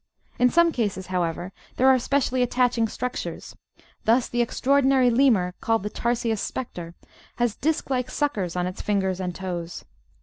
In some cases, however, there are speciaUy attaching structures; thus the extraordinary lemur called the Tarsius Spectre has disc like suckers on its fingers and toes.